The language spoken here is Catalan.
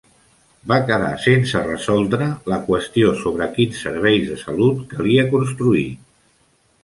Va quedar sense resoldre la qüestió sobre quins serveis de salut calia construir.